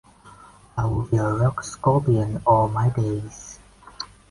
I would be a rock scorpion all my days.